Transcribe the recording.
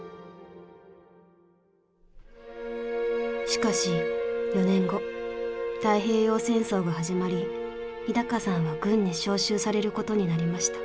しかし４年後太平洋戦争が始まり日高さんは軍に召集されることになりました。